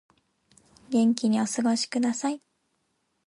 元気にお過ごしください